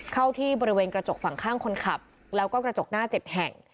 เข้าที่บริเวณกระจกฝั่งข้างคนขับแล้วก็กระจกหน้า๗แห่ง